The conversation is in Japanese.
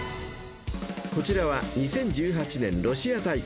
［こちらは２０１８年ロシア大会］